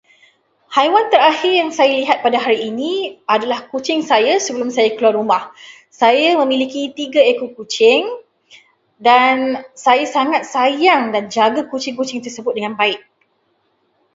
Haiwan terakhir yang saya lihat pada hari ini adalah kucing saya sebelum saya keluar rumah. Saya memiliki tiga ekor kucing dan saya sangat sayang dan jaga kucing-kucing tersebut dengan baik.